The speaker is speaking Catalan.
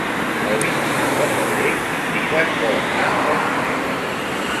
El vint-i-nou de febrer en Dídac vol anar al cinema.